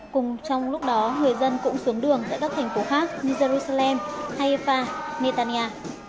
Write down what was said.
cùng trong lúc đó người dân cũng xuống đường tại các thành phố khác như jerusalem haifa netanya